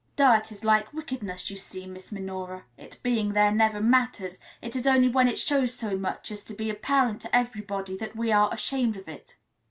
Dirt is like wickedness, you see, Miss Minora its being there never matters; it is only when it shows so much as to be apparent to everybody that we are ashamed of it.